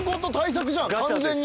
完全に。